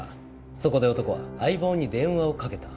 そこで男は相棒に電話をかけた。